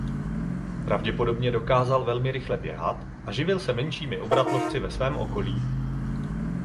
Pravděpodobně dokázal velmi rychle běhat a živil se menšími obratlovci ve svém okolí.